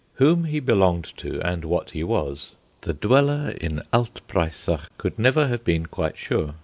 Whom he belonged to, and what he was, the dweller in Alt Breisach could never have been quite sure.